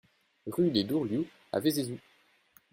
Rue des Dourlioux à Vézézoux